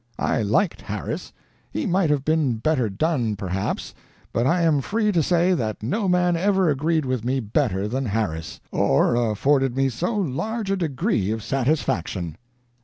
I liked Harris. He might have been better done, perhaps, but I am free to say that no man ever agreed with me better than Harris, or afforded me so large a degree of satisfaction.